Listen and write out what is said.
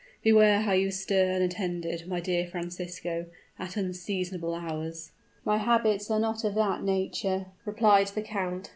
Beware how you stir unattended, my dear Francisco, at unseasonable hours." "My habits are not of that nature," replied the count.